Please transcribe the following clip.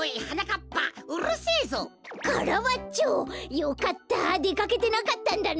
よかったでかけてなかったんだね。